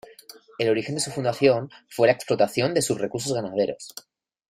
El origen de su fundación fue la explotación de sus recursos ganaderos.